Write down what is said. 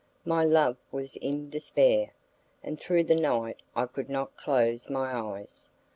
My love was in despair, and through the night I could not close my eyes.